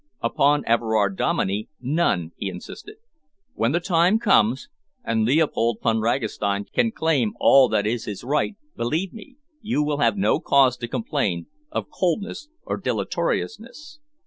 "Upon Everard Dominey, none," he insisted. "When the time comes, and Leopold Von Ragastein can claim all that is his right, believe me, you will have no cause to complain of coldness or dilatoriness.